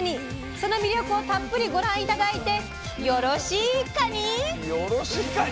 その魅力をたっぷりご覧頂いてよろしいかに⁉よろしいかに？